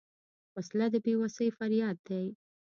وسله د بېوسۍ فریاد دی